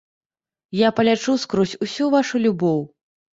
Я палячу скрозь усю вашую любоў.